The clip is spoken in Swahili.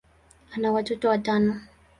ana watoto watano.